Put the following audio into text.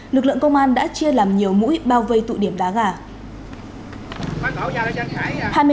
lực lượng công an đã chia làm nhiều mũi bao vây tụ điểm đá gà